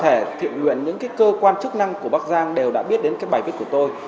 tất cả những đoàn thể thiệu nguyện những cơ quan chức năng của bác giang đều đã biết đến bài viết của tôi